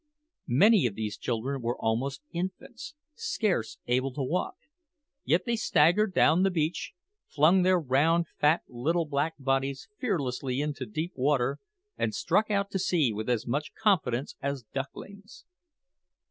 Many of these children were almost infants, scarce able to walk; yet they staggered down the beach, flung their round, fat little black bodies fearlessly into deep water, and struck out to sea with as much confidence as ducklings.